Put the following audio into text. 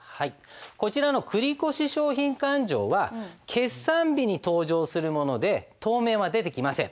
こちらの繰越商品勘定は決算日に登場するもので当面は出てきません。